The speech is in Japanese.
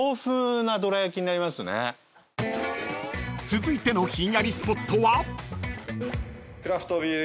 ［続いてのひんやりスポットは？］